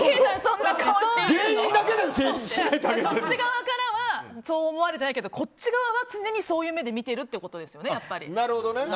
そっち側からはそう思われてないけどこっち側は常にそういう目で見ているっていうことですよね。